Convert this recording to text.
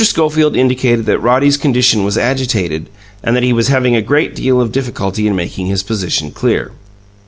Schofield indicated that Roddy's condition was agitated, and that he was having a great deal of difficulty in making his position clear.